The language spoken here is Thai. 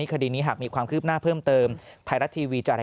คดีนี้หากมีความคืบหน้าเพิ่มเติมไทยรัฐทีวีจะรายงาน